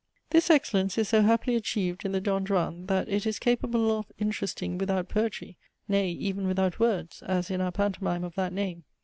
This excellence is so happily achieved in the Don Juan, that it is capable of interesting without poetry, nay, even without words, as in our pantomime of that name.